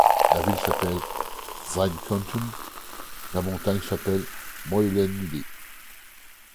La ville s’appelle Vinecaunton ; la montagne s’appelle Moil-enlli.